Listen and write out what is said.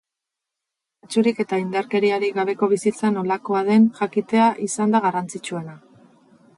Mehatxurik eta indarkeriarik gabeko bizitza nolakoa den jakitea izan da garrantzitsuena.